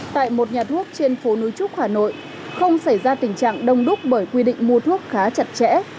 tại một nhà thuốc trên phố núi trúc hà nội không xảy ra tình trạng đông đúc bởi quy định mua thuốc khá chặt chẽ